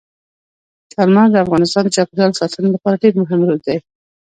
چار مغز د افغانستان د چاپیریال ساتنې لپاره ډېر مهم دي.